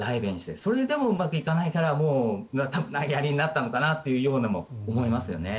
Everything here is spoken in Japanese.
それでもうまくいかないから多分投げやりになったのかなとも思いますよね。